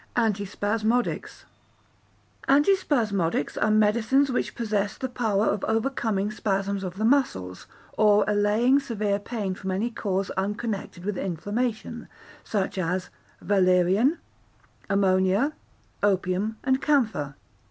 Antispasmodics Antispasmodics are medicines which possess the power of overcoming spasms of the muscles, or allaying severe pain from any cause unconnected with inflammation, such as valerian, ammonia, opium, and camphor.